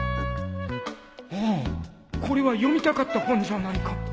ああこれは読みたかった本じゃないか